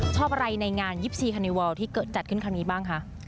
ชอบอะไรในงาน๒๔คานิวอลที่เกิดจัดขึ้นครั้งนี้บ้างคะ